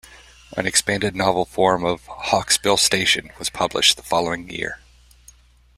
An expanded novel form of "Hawksbill Station" was published the following year.